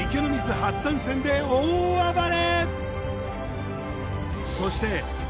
初参戦で大暴れ。